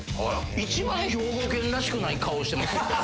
一番兵庫県らしくない顔してます。